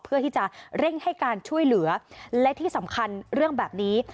เพื่อที่จะเร่งให้การช่วยเหลือและที่สำคัญเรื่องแบบนี้